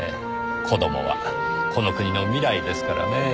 子供はこの国の未来ですからねぇ。